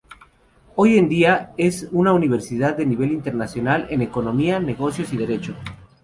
Hoy en día, es una universidad de nivel internacional en economía, negocios y derecho.